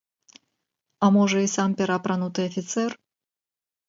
А можа, і сам пераапрануты афіцэр?